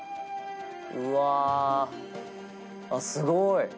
うわあっすごい。